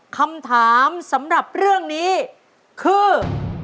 คำถามสำหรับเรื่องนี้คือ